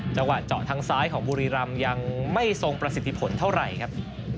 จังหวะเจาะทางซ้ายของบุรีรำยังไม่ทรงประสิทธิผลเท่าไหร่ครับ